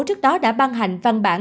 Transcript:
trước đó đã ban hành văn bản